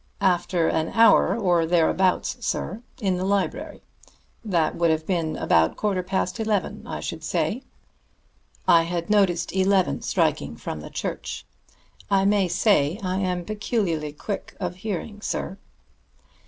"After an hour or thereabouts, sir, in the library. That would have been about a quarter past eleven, I should say; I had noticed eleven striking from the church. I may say I am peculiarly quick of hearing, sir."